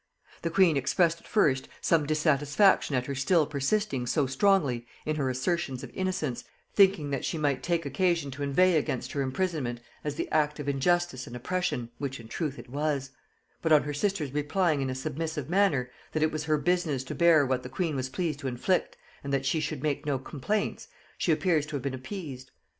The queen expressed at first some dissatisfaction at her still persisting so strongly in her assertions of innocence, thinking that she might take occasion to inveigh against her imprisonment as the act of injustice and oppression which in truth it was; but on her sister's replying in a submissive manner, that it was her business to bear what the queen was pleased to inflict and that she should make no complaints, she appears to have been appeased.